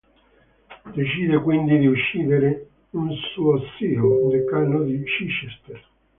Decide quindi di uccidere un suo zio, decano di Chichester.